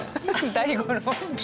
大五郎。